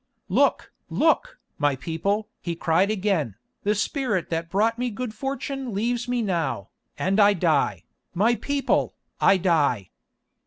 "Look! look! my people!" he cried again, "the spirit that brought me good fortune leaves me now, and I die, my people, I die!"